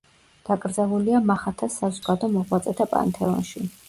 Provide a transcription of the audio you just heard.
დაკრძალულია მახათას საზოგადო მოღვაწეთა პანთეონში.